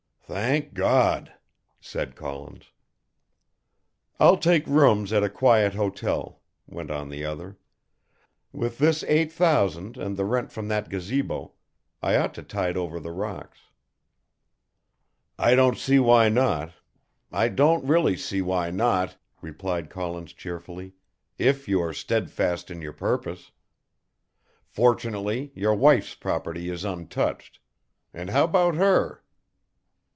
"Thank God!" said Collins. "I'll take rooms at a quiet hotel," went on the other, "with this eight thousand and the rent from that Gazabo, I ought to tide over the rocks." "I don't see why not, I don't really see why not," replied Collins cheerfully, "if you are steadfast in your purpose. Fortunately your wife's property is untouched, and how about her?"